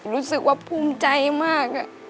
รู้สึกว่าภูมิใจมาก